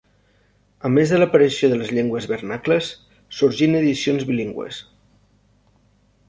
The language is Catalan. A més de l'aparició de les llengües vernacles, sorgint edicions bilingües.